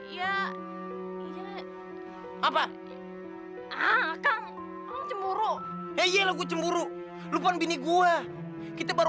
yang perempuan gitu